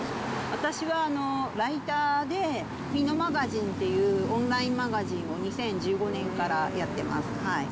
私はライターで、マガジンというオンラインマガジンを２０１５年からやってます。